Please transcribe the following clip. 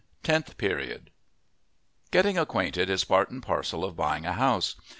TENTH PERIOD Getting acquainted is part and parcel of buying a house.